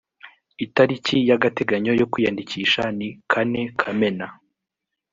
itariki y agateganyo yo kwiyandikisha ni kane kamena